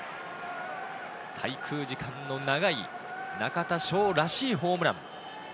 滞空時間の長い中田翔らしいホームラン。